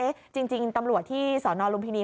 จริงตำรวจที่สนลุมพินี